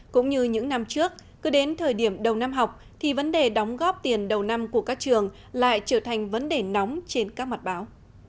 cũng như những năm trước cứ đến thời điểm đầu năm học thì vấn đề đóng góp tiền đầu năm của các trường lại trở thành vấn đề nóng trên các mặt báo